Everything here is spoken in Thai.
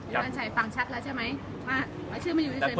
การใช้ฝั่งชัดละใช่ไหมถ้าชื่อมาอยู่เฉยไม่ได้